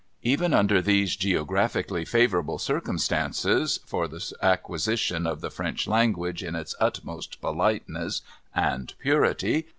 Even under those geographically favourable circumstances for the acquisition of the French language in its utmost politeness and purity.